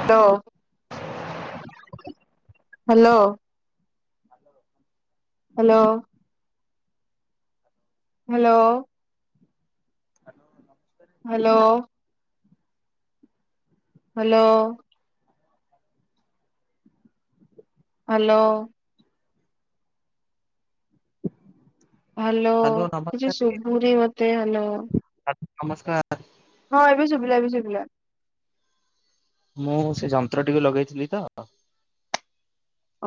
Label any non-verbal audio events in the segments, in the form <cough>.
ହ ହ୍ୟାଲୋ ଭଲ ର hello hello <inaudible> hello hello hello hello hello କିଛି ନମସ୍କାର ଶୁଭୁନି ମତେ ହାଲୋ। ହ୍ୟାଲୋ, ନମସ୍କାର। ହଁ ଏବେ ଶୁଭିଲା ଏବେ ଶୁଭିଲା। ମୁଁ ସେ ଯନ୍ତ୍ର ଟିକେ ଲଗେଇଥିଲି ତ।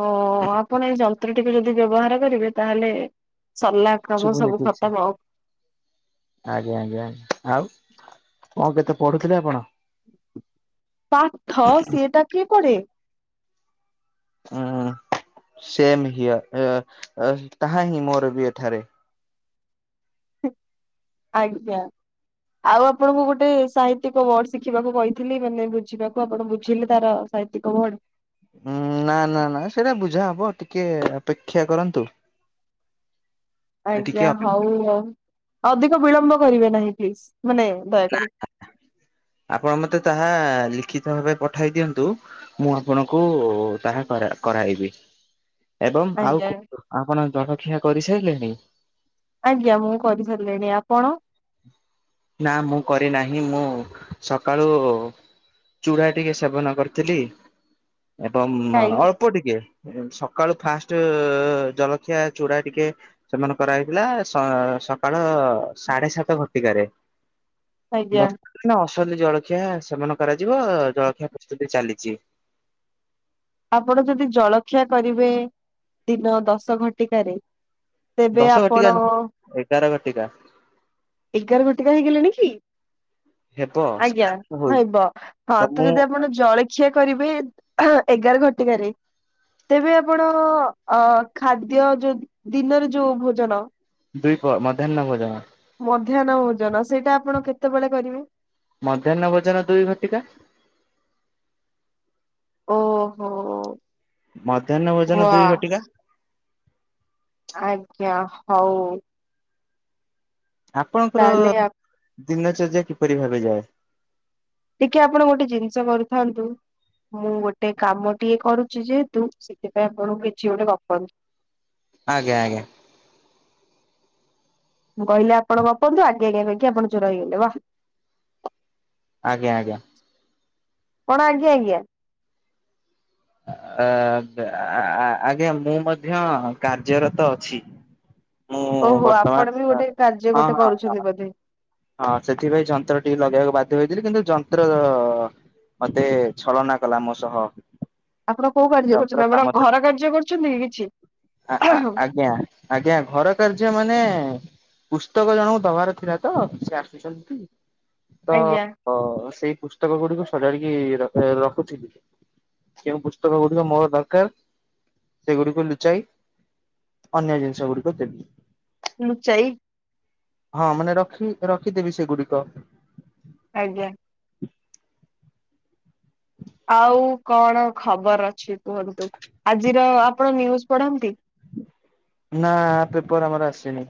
ଓ ଆପଣ ଏଇ ଯନ୍ତ୍ରଟିକୁ ଯଦି ବ୍ୟବହାର କରିବେ ତାହେଲେ ସଲା। ଶୁଭୁନି <unintelligible> ଆଜ୍ଞା ଆଜ୍ଞା ଆଉ କଣ କେତେ ପଢୁଥିଲେ ଆପଣ? ପାଠ ସିଏଟା କିଏ ପଢେ? ଉଁ ସେମ ହିଅର ଅ-ଅ ତାହା ହିଁ ମୋର ବି ଏଠାରେ। ଉ ଆଜ୍ଞା। ଆଉ ଆପଣଙ୍କୁ ଗୋଟେ ସାହିତିକ ୱାର୍ଡ ଶିଖିବାକୁ କହିଥିଲି ମାନେ ବୁଝିବାକୁ ଆପଣ ବୁଝିଲେ ତାର ସାହିତ୍ୟିକ ୱାର୍ଡ। ଉଁ ନା-ନା-ନା ସେଇଟା ବୁଝା ହବ ଟିକେ ଅପେକ୍ଷା କରନ୍ତୁ। ଟିକେ ଆଜ୍ଞା ଅପେ ହଉ ହଉ ଅଧିକ ବିଳମ୍ବ କରିବେ ନାହିଁ ଫ୍ଲିଜ ମାନେ ଦୟାକରି। ଆପଣ ମତେ ତାହା ଲିଖିତ ଭାବେ ପଠାଇ ଦିଅନ୍ତୁ। ମୁଁ ଆପଣଙ୍କୁ ତାହା କରା-କରାଇବି। ଏବଂ ଆଉ ଆଜ୍ଞା। କୁ ଆପଣ ଜଳଖିଆ କରିସାରିଲେଣି? ଆଜ୍ଞା ମୁଁ କରି ସାରିଲିଣି, ଆପଣ? ନା, ମୁଁ କରିନାହିଁ ମୁଁ ସକାଳୁ ଚୁଡ଼ା ଟିକେ ସେବନ କରିଥିଲି ଏବଂ ଖାଇ ଅଲ୍ ଅଳ୍ପ ଟିକେ ସକାଳୁ ଫାଷ୍ଟ ଅ-ଅ-ଅ ଜଲଖିଆ ଚୁଡ଼ା ଟିକେ ସେବନ କରାହେଇଥିଲା ସ ସକାଳ ସାଢେ ସାତ ଘଟିକାରେ। ଆଜ୍ଞା। ନା ଅସଲି ଜଳଖିଆ ସେବନ କରାଯିବ ଜଳଖିଆ ପ୍ରସ୍ତୁତି ଚାଲିଛି। ଆପଣ ଯଦି ଜଳଖିଆ କରିବେ ଦିନ ଦଶ ଘଣ୍ଟିକାରେ ଦଶଘଟିକା ନୁହଁ ଏଗାର ଘଟିକା। ଏଗାର ଘଟିକା ହେଇଗଲାଣି କି? ହେବ ଆଜ୍ଞା ହଉଛି ହବ। ହଁ ତ ଯଦି ଆପଣ ଜଳି ଖିଅ କରିବେ ଏଗାର ଘଟିକାରେ। ତେବେ ଆପଣ ଅ ଖାଦ୍ୟ ଯୋଉ ଦିନରେ ଯୋଉ ଭୋଜନ ଦୁଇ ପ ମଧ୍ୟାହ୍ନ ଭୋଜନ। ମଧ୍ୟାହ୍ନ ଭୋଜନ ସେଇଟା ଆପଣ କେତେବେଳେ କରିବେ? ମଧ୍ୟାହ୍ନ ଭୋଜନ ଦୁଇ ଘଟିକା। ଓହୋ। ମଧ୍ୟାହ୍ନ ଭୋଜନ ୱା ଦୁଇ ଘଟିକା। ଆଜ୍ଞା ହଉ। ଆପଣଙ୍କର ତାହେଲେ ଦିନଚର୍ଯ୍ୟା କିପରି ଭାବେ ଯାଏ? ଟିକେ ଆପଣ ଗୋଟେ ଜିନିଷ କରିଥାନ୍ତୁ। ମୁଁ ଗୋଟେ କାମଟିଏ କରୁଛି ଯେହେତୁ ସେଥିପାଇଁ ଆପଣ କିଛି ଗୋଟେ ଗପନ୍ତୁ? ଆଜ୍ଞା ଆଜ୍ଞା। ମୁଁ କହିଲି ଆପଣ ଗପନ୍ତୁ ଆଜ୍ଞା ଆଜ୍ଞା କହିକି ଆପଣ ଚୋର ହେଇଗଲେ ବାଃ। ଆଜ୍ଞା ଆଜ୍ଞା। କଣ ଆଜ୍ଞା ଆଜ୍ଞା? ଅ-ଅ ଆ ଆଜ୍ଞା ମୁଁ ମଧ୍ୟ କାର୍ଯ୍ୟରତ ଅଛି। ମୁଁ ଓହୋ ବର୍ତ୍ତମାନ ଆପଣ ବି ଗୋଟେ କାର୍ଯ୍ୟ ହଁ ଗୋଟେ ହଁ କରୁଛନ୍ତି ବୋଧେ। ହଁ ସେଥିପାଇଁ ଯନ୍ତ୍ର ଟିକେ ଲଗେଇବାକୁ ବାଧ୍ୟ ହେଇଥିଲି କିନ୍ତୁ ଯନ୍ତ୍ର ମତେ ଛଳନା କଲା ମୋ ସହ। ଆପଣ କୋଉ କାର୍ଯ୍ୟ ଯନ୍ତ୍ର କରୁଛନ୍ତି ଆପଣ କାମ ଘର କାର୍ଯ୍ୟ କରୁଛନ୍ତି କି କିଛି? ଆ-ଆ ଆଜ୍ଞା ଆଜ୍ଞା ଘର କାର୍ଯ୍ୟ ମାନେ ପୁସ୍ତକ ଜଣଙ୍କୁ ଦବାର ଥିଲା ତ ସେ ଆସୁଛନ୍ତି। ତ ଆଜ୍ଞା ହଁ ସେଇ ପୁସ୍ତକ ଗୁଡିକୁ ସଜାଡିକି ର ରଖୁଥିଲି। ଯେଉଁ ପୁସ୍ତକ ଗୁଡିକ ମୋର ଦରକାର ସେଗୁଡିକୁ ଲୁଚାଇ ଅନ୍ୟ ଜିନିଷ ଗୁଡିକ ଦେବି। ଲୁଚାଇ। ହଁ ମାନେ ରଖି ରଖିଦେବି ସେଗୁଡିକ। ଆଜ୍ଞା। ଆଉ କଣ ଖବର ଅଛି କୁହନ୍ତୁ ଆଜିର ଆପଣ ନିୟୁଜ ପଢନ୍ତି? ନା ପେପର ଆମର ଆସିନି।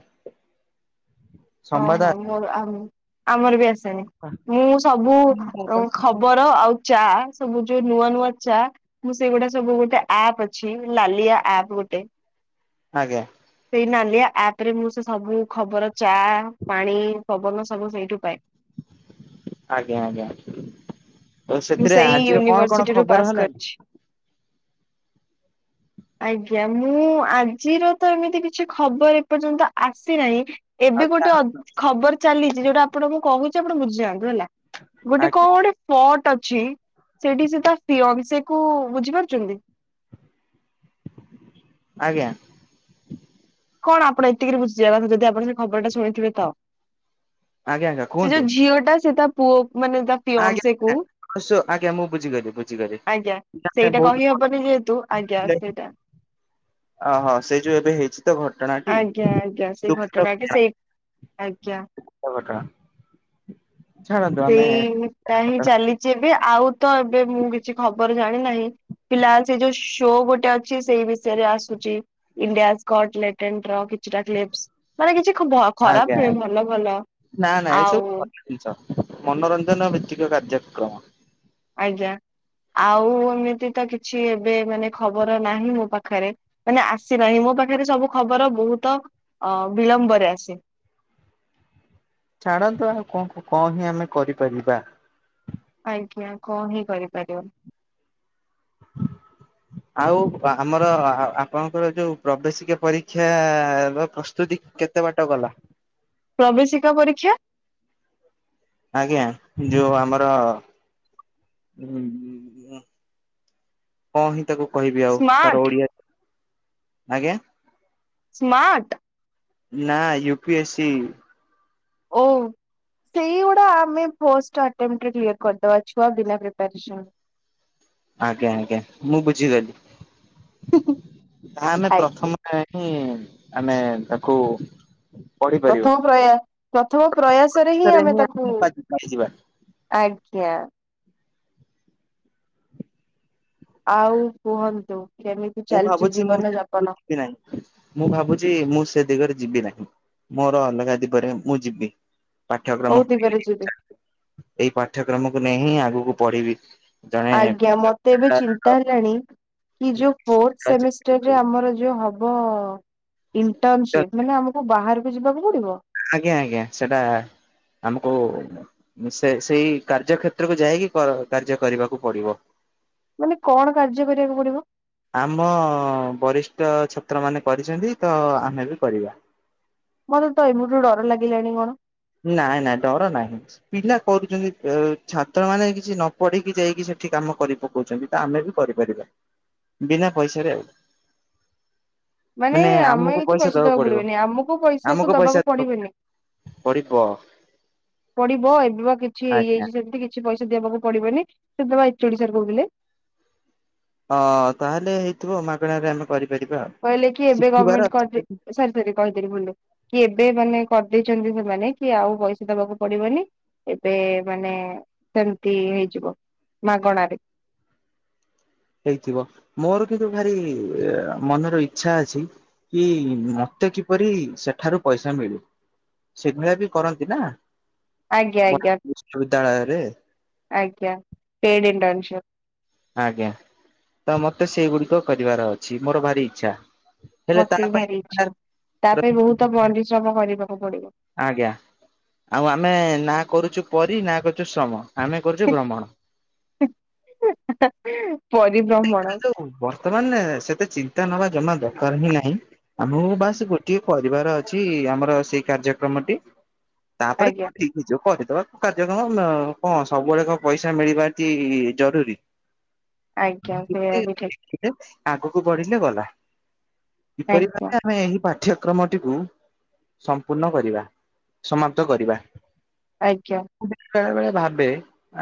ସମ୍ବାଦ ଓହୋ ମୋର ଆମର ବି ଆସେନି। ଆ ମୁଁ ସବୁ ଖବର ଆଉ ଚା ସବୁ ଯୋଉ ନୂଆ ନୂଆ ଚା ମୁଁ ସେଇଗୁଟା ସବୁ ଗୋଟେ ଆପ୍ ଅଛି ଲାଲିଆ ଆପ୍ ଗୋଟେ ଆଜ୍ଞା। ସେଇ ନାଲିଆଆପରେ ମୁଁ ସେ ସବୁ ଖବର ଚା ପାଣି ପବନ ସବୁ ସେଇଠୁ ପାଏ। ଆଜ୍ଞା ଆଜ୍ଞା ତ ମୁଁ ସେଥିରେ ସେଇ ଆଜିର କଣ କଣ ୟୁନିଭରସିଟିରୁୁ ପାସ୍ ଖବର ହେଲାଣି? କରିଛି। ଆଜ୍ଞା ମୁଁ ଆଜିର ତ ଏମିତି କିଛି ଖବର ଏପର୍ଯ୍ୟନ୍ତ ଆସିନାହିଁ। ଆଉ ଏବେ ଗୋଟେ ଆଜ୍ଞା ଖବର ଚାଲିଛି ଯୋଉଟା ଆପଣଙ୍କୁଁ କହୁଛି ଆପଣ ବୁଝିଯାଆନ୍ତୁ ହେଲା? ଗୋଟେ ଆଜ୍ଞା କଣ ଗୋଟେ ଫର୍ଟ ଅ ଛି ସେଠି ସେ ତା ଫିଓନ୍ସି କୁ ବୁଝି ପାରୁଛନ୍ତି? ଆଜ୍ଞା। କଣ ଆପଣ ଏତିକି ବୁଝିଯିବା କଥା ଯଦି ଆପଣ ସେ ଖବରଟା ଶୁଣିଥିବେ ତ ଆଜ୍ଞା ସେ କୁହନ୍ତୁ ଯୋଉ ଝିଅଟା ସେ ତା ପୁଅ ମାନେ ତା ଆଜ୍ଞା ଫିଓନ୍ସେ କୁ ଅବଶ୍ୟ ଆଜ୍ଞା ମୁଁ ବୁଝିଗଲି ବୁଝିଗଲି ଆଜ୍ଞା ସେଇଟା ବହୁତ କହି ହବନି ଯେହେତୁ ଆଜ୍ଞା ସେଇଟା। ଓହୋ ସେଇ ଯୋଉ ଏବେ ହେଇଛି। ଘଟଣାଟି ଆଜ୍ଞା ଆଜ୍ଞା <inaudible> ସେଇ ଘଟଣାଟି ସେଇ ଆଜ୍ଞା ଦୁଃଖଟଣା। ସେଇଟା ହିଁ ଘଟଣା ଚାଲିଛି ଏବେ ଆଉ ତ ଏବେ ମୁଁ କିଛି ଖବର ଜାଣି ନାହିଁ। ଫିଲା ସେ ଯୋଉ ଶୋ ଗୋଟେ ଅଛି ସେଇ ବିଷୟରେ ଆସୁଛି। ଇଣ୍ଡିଆ <inaudible> ର କିଛିଟା କ୍ଲିପ୍ସ ମାନେ କିଛି ଖରାପ ଆଜ୍ଞା ହୁଏ ଆଜ୍ଞା ଭଲ ଭଲ ଆଉ। ଜି ମନୋରଞ୍ଜନ ଭିତ୍ତିକ କାର୍ଯ୍ୟକ୍ରମ। ଆଜ୍ଞା ଆଉ ଏମିତି ତ କିଛି ଏବେ ମାନେ ଖବର ନାହିଁ ମୋ ପାଖରେ। ମାନେ ଆସିନାହିଁ ମୋ ପାଖରେ ସବୁ ଖବର ବହୁତ ଅ ବିଳମ୍ବରେ ଆସେ। ଛାଡ଼ନ୍ତୁ ଆଉ କଣ କଣ ହିଁ ଆମେ କରିପାରିବା। ଆଜ୍ଞା କଣ ହିଁ କରିପାରିବ।। <unintelligible> ଆଉ ଆମର ଆପଣଙ୍କର ଯୋଉ ପ୍ରବେଶିକ ପରୀକ୍ଷା ର ପ୍ରସ୍ତୁତି କେତେ କେତେ ବାଟ ଗଲା? ପ୍ରବେଶିକା ପରୀକ୍ଷା। ଆଜ୍ଞା ଯୋଉ ଆମର କଣ ହିଁ ତାକୁ କହିବି ଆଉ ତାର ସ୍ମାର୍ଟ ଓଡିଆ ଆଜ୍ଞା। ସ୍ମାର୍ଟ। ନା ୟୁ ପି ଏସି। ଓ। ସେଇଗୁଡା ଆମେ ଫର୍ଷ୍ଟ ଆଟେମ୍ପଟ୍ ରେ କ୍ଲିଅର କରିଦବା ଛୁଆ ବିନା ପ୍ରିପେରେସନ। ଆଜ୍ଞା ଆଜ୍ଞା ମୁଁ ବୁଝିଗଲି ତା ଆମେ ଆଜ୍ଞା ପ୍ରଥମ ହଁ ଆମେ ତାକୁ ପଢିପାରିବା ପ୍ରଥମ ପ୍ରୟାସ ପ୍ରଥମ ପ୍ରୟାସରେ ହିଁ ଆମେ ତାକୁ ଆଜ୍ଞା। ଆଉ କୁହନ୍ତୁ କେମିତି ମୁଁ ଚାଲିଛି ଭାବୁଛି ମୁଁ ଜୀବନ ଯାପନ? ଯିବି ନାହିଁ ମୁଁ ଭାବୁଛି ମୁଁ ସେ ଦିଗରେ ଯିବି ନାହିଁ। ମୋର ଅଲଗା ଦିଗରେ ମୁଁ ଯିବି। କୋଉ ପାଠ୍ୟକ୍ରମକୁ ଦିଗରେ ଯିବେ? <inaudible> ଏଇ ପାଠ୍ୟକ୍ରମକୁ ନେଇ ହିଁ ଆଗକୁ ପଢିବି। ଜଣେ ଆଜ୍ଞା ମତେ ଏବେ ଚିନ୍ତା ହେଲାଣି କି ଯୋଉ ଫୋଥ ଆମର ଯୋଉ ହବ ଇଣ୍ଟରନସିପ ମାନେ ଆମକୁ ବାହାରକୁ ଯିବାକୁ ପଡିବ। ଆଜ୍ଞା ଆଜ୍ଞା ସେଟା ଆମକୁ ସେ ସେଇ କାର୍ଯ୍ୟକ୍ଷେତ୍ରକୁ ଯାଇକି କର କାର୍ଯ୍ୟ କରିବାକୁ ପଡିବ। ମାନେ କଣ କାର୍ଯ୍ୟ କରିବାକୁ ପଡିବ? ଆମ ବରିଷ୍ଠ ଛାତ୍ରମାନେ କରିଛନ୍ତି ତ ଆମେ ବି କରିବା। ମତେ ତ ଏମୁଠୁ ଡର ଲାଗିଲାଣି କଣ? ନାଇଁ ନାଇଁ ଡର ନାହିଁ। ପିଲା କରୁଛନ୍ତି ଛାତ୍ର ମାନେ କିଛି ନ ପଢିକି ଯାଇକି ସେଠି କାମ କରି ପକଉଛନ୍ତି। ତା ଆମେ ବି କରିପାରିବା ବିନା ପଇସାରେ ଆଉ। <inaudible> ମାନେ ଆମେ କିଛି ପଇସା ଦବାକୁ ପଡିବନି। ଆମକୁ ଆମକୁ ପଇସାକୁ ପଇସା ଦବାକୁ ପଡିବନି। ପଡିବ ପଡିବ ଏବେ ବା କିଛି ଆଜ୍ଞା। ହେଇଯାଇଛି ସେମିତି କି କିଛି ପଇସା ଦେବାକୁ ପଡିବନି ସେବେ ଏଚ୍ ଓ ଡି ସାର କହୁଥିଲେ। ଅ ତାହେଲେ ହେଇଥିବ ମାଗଣାରେ ଆମେ କରିପାରିବା ଆଉ। କହିଲେ କି ଏବେ ଶିଖିବାର ଗମେଣ୍ଟ କରି ଦେ ସରି <unintelligible> କହିଥିଲି ଭୁଲ ରେ କି ଏବେ ମାନେ କରିଦେଇଛନ୍ତି ସେମାନେ କି ଆଉ ପଇସା ଦବାକୁ ପଡ଼ିବନି ଏବେ ମାନେ ସେମିତି ହେଇଯିବ ମାଗଣାରେ। ହେଇଥିବ ମୋର କିନ୍ତୁ ଭାରି ଅ ମନର ଇଛା ଅଛି କି ମତେ କିପରି ସେଠାରୁ ପଇସା ମିଳୁ। ସେଭଳିଆ ବି କରନ୍ତି ନା? ଆଜ୍ଞା ଆଜ୍ଞା ବିଶ୍ୱବିଦ୍ୟାଳୟରେ ଆଜ୍ଞା ପେଡ୍ ଇଣ୍ଟରନ୍ଣସିପ୍। ଆଜ୍ଞା ତ ମତେ ସେଇଗୁଡ଼ିକ କରିବାର ଅଛି ମୋର ଭାରି ଇଚ୍ଛା। ହେଲେ ତା ମତେ ବି ପାଇଁ ଭାରି ଇଚ୍ଛା ତା ପାଇଁ ବହୁତ ପରିଶ୍ରମ କରିବାକୁ ପଡ଼ିବ। ଆଜ୍ଞା ଆଉ ଆମେ ନା କରୁଛୁ ପରି ନା କରୁଛୁ ଶ୍ରମ ଆମେ କରୁଛୁ ଭ୍ରମଣ। <unintelligible> ପରିିବ୍ରମଣ। ବର୍ତ୍ତମାନ ସେତେ ଚିନ୍ତା ନବା ଜମା ଦରକାର ହିଁ ନାହିଁ। ଆମକୁ ବାସ୍ ଗୋଟିଏ ପରିବାର ଅଛି ଆମର ସେଇ କାର୍ଯ୍ୟକ୍ରମଟି। ତାପରେ ଆଜ୍ଞା କଉଠି? ନିଜ କରିଦବା କାର୍ଯ୍ୟକ୍ରମ-ମ କଣ ସବୁବେଳେ କଣ ପଇସା ମିଳିବାଟି ଜରୁରୀ? ଆଜ୍ଞା ସେଇଆ ବି ଠିକ୍। ଆଗକୁ ବଢ଼ିଲେ ଗଲା କିପରି ଭା ଆଜ୍ଞା ଆମେ ଏହି ପା ଠ୍ୟକ୍ରମଟିକୁ ସମ୍ପୂର୍ଣ୍ଣ କରିବା ସମାପ୍ତ କରିବା। ଆଜ୍ଞା। ମୁଁ ବେଳେ ବଳେ ଭାବେ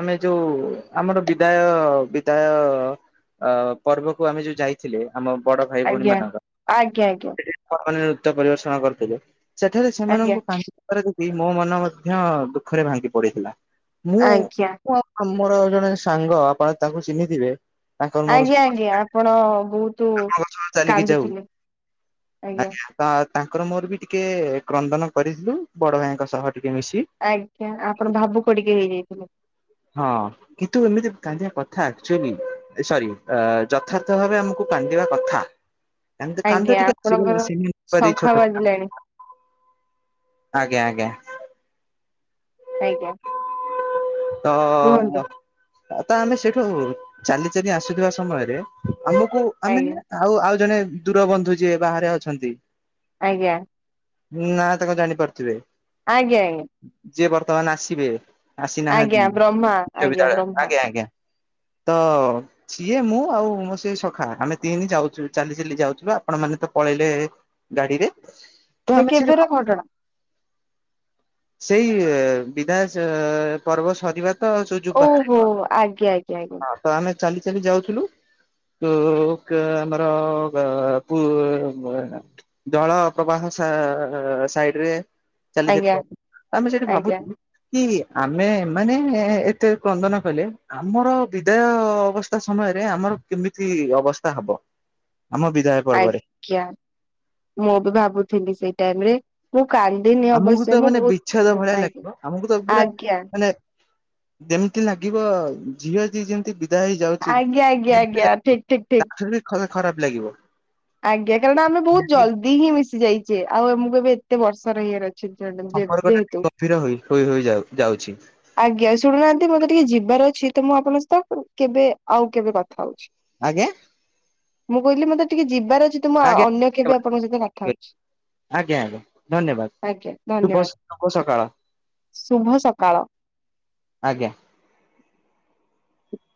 ଆମେ ଯୋଉ ଆମର ବିଦାୟ ବିଦାୟ ଅ ପର୍ବକୁ ଆମେ ଯୋଉ ଯାଇଥିଲେ ଆମ ବଡ଼ ଭାଇ ଭଉଣୀ ଆଜ୍ଞା। ମାନଙ୍କ ଆଜ୍ଞା ଆଜ୍ଞା <unintelligible> ନୃତ୍ୟ ପରିଦର୍ଶଣ କରିଥିଲେ ସେଠାରେ ସେମାନଙ୍କୁ ପା ମୋ ମନ ମଧ୍ୟ ଦୁଃଖରେ ଭାଙ୍ଗି ପଡ଼ିଥିଲା ଆଜ୍ଞା ଆଜ୍ଞା ମୁଁ ମର ଜଣେ ସାଙ୍ଗ ଆପଣ ତାଙ୍କୁ ଚିହ୍ନିଥିବେ ତାଙ୍କର ମୋର ଆଜ୍ଞା ଆଜ୍ଞା ଆପଣ ବହୁତ ଚାଲିକି କାନ୍ଦୁଥିଲେ ଆଜ୍ଞା। ତ ତାଙ୍କର ମୋର ବି ଟିକେ କ୍ରନ୍ଦନ କରିଥିଲୁ ବଡ଼ ଭାଇଙ୍କ ସହ ଟିକେ ମିଶି। ଆଜ୍ଞା ଆପଣ ଭାବୁକ ଟିକେ ହେଇଯାଇଥିଲେ। ହଁ। କିନ୍ତୁ ଏମିତି କାନ୍ଦିବା କଥା ଆକଚୁୱାଲି ସରି ଅ -ଯଥାର୍ଥ ଭାବେ ଆମକୁ କାନ୍ଦିବା କଥା। <inaudible> କାନ୍ଦ କାନ୍ଦ ଆଜ୍ଞା ଟିକେ ଆପଣଙ୍କର ଶଙ୍ଖା ବାଜିଲାଣି <unintelligible> ଆଜ୍ଞା ଆଜ୍ଞା। ଆଜ୍ଞା। ତ କୁହନ୍ତୁ ମ ତ ଆମେ ସେଇଠୁ ଚାଲି ଚାଲି ଆସୁଥିବା ସମୟରେ ଆମକୁ ଆମେ ଆଜ୍ଞା ନା ଆଉ ଆଉ ଜଣେ ଦୂରବନ୍ଧୁ ଯିଏ ବାହାରେ ଅଛନ୍ତି। ଆଜ୍ଞା। ନା ତାଙ୍କ ଜାଣିପାରୁଥିବେ। ଆଜ୍ଞା ଆଜ୍ଞା। ଯିଏ ବର୍ତ୍ତମାନ ଆସିବ ଆଜ୍ଞା ଆସିନାହାନ୍ତି ବ୍ରହ୍ମା ଆଜ୍ଞା ବିଶ୍ବବିଦ୍ୟାଳୟ ବ୍ରହ୍ମା ଆଜ୍ଞା ଆଜ୍ଞା। ତ ସିଏ ମୁଁ ଆଉ ମୋ ସିଏ ସଖା ଆମେ ତିନି ଯାଉଛୁ ଚାଲି ଚାଲି ଯାଉଛୁ ପା ଆପଣ ମାନେ ତ ପଳେଇଲେ। ଗାଡ଼ି ରେ ଏଇଟା କେବେର ଘଟଣା? ସେଇ ବିଧାୟ ସ ପର୍ବ ସରିବା ତ ଚୋ ଯେଉ ଓହୋ ବାହାହେଲୁ <unintelligible> ଆଜ୍ଞା ଆଜ୍ଞା ଆଜ୍ଞା ହଁ ତ ଆମେ ଚାଲି ଚାଲି ଯାଉଥିଲୁ। କୁ--କା ଆମର <unintelligible> ଜଳ ପ୍ରବାହ ସା ସାଇଡ ରେ ଚାଲି ଆଜ୍ଞା <unintelligible> ଆମେ ସେଠି ଆଜ୍ଞା ଭାବୁଥିଲୁ। କି ଆମେ ମାନେ ଏତେ କନ୍ଦନ କଲେ ଆମର ବିଦାୟ ଅବସ୍। ସମୟରେ ଆମର କେମିତି ଅବସ୍ଥା ହବ ଆମ ବିଧାୟକ୍। ଆଜ୍ଞା ମୁଁ ବି ଭାବୁଥିଲି ସେଇ ଟାଇମରେ ମୁଁ କାଲ୍ ଆମକୁ ତ ମାନେ ବିଚ୍ଛାଳିଆ ଭଳିଆ ଲାଗିବ ଆମକୁ ତ ପୁରା ଆଜ୍ଞା ମାନେ! ଯେମିତି ଲାଗିବ ଝିଅ ଦି ଜଣ ବିକ୍। ଭାଇ ଯାଉଛି ଆଜ୍ଞା ଆଜ୍ଞା ସେମ୍ତି ଆଜ୍ଞା ଲାଗିବ ଠିକ ଠିକ ଠିକ ତା ଠାରୁ ଖ ଖରାପ ଲାଗିବ। ଆଜ୍ଞା କାରଣ ଆମେ ବହୁତ୍ ଜଲଦି ହିଁ ମିଶି ଯାଇଛେ ଆଉ ଆମକୁ ଏବେ ଏତେ ବର୍ଷ ରେ ଏରଖ୍। ସମ୍ପର୍କରେ <unintelligible> ଗଭୀର ହୁଏ ହୋଇ ହୋଇ ଯାଉ ଯାଉଛି। ଆଜ୍ଞା ଶୁଣୁନାହାନ୍ତି ମତେ ଟିକେ ଯିବାର ଅଛି ତ ମୁଁ ଆପଣଙ୍କ ସହିତ କେବେ ଆଉ କେବେ କଥା ହଉଛି। ଆଜ୍ଞା ମୁଁ କହିଲି ମତେ ଟିକେ ଯିବାର ଅଛି ତମ ଆଜ୍ଞା ଅନ୍ୟ କେବେ ଆପଣଙ୍କ ସହିତ କଥା ହଉଛି। ଆଜ୍ଞା ଆଜ୍ଞା ଆଜ୍ଞା ଧନ୍ୟବାଦ ଶୁ ଧନ୍ୟବାଦ ଶୁଭ ସକାଳ। ଶୁଭ ସକାଳ। ଆଜ୍ଞା